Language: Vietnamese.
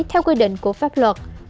theo quy định của pháp luật